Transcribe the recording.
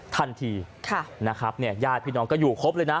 ทันทีนะครับเนี่ยญาติพี่น้องก็อยู่ครบเลยนะ